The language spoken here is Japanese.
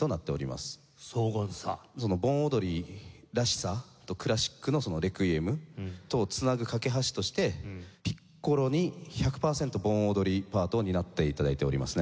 盆踊りらしさとクラシックの『レクイエム』とを繋ぐ懸け橋としてピッコロに１００パーセント盆踊りパートを担って頂いておりますね。